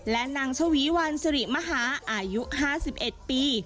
และนางชวีวันสิริมหาอายุ๕๑ปี